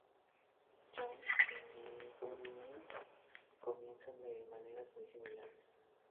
Jones" y "Nevermind" comienzan de maneras muy similares.